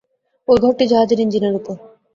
ঐ ঘরটি জাহাজের ইঞ্জিনের উপর।